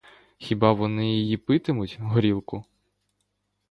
Хіба вони її питимуть, горілку?